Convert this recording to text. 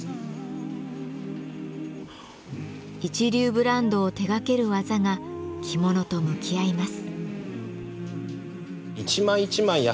一流ブランドを手がける技が着物と向き合います。